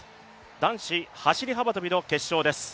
男子走幅跳の決勝です。